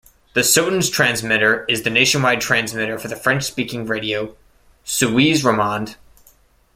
The Sottens Transmitter is the nationwide transmitter for the French-speaking Radio Suisse Romande.